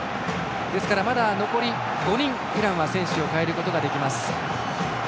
ですからまだ残り５人イランは選手交代できます。